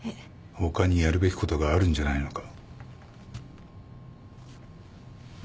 他にやるべきことがあるんじゃないのか？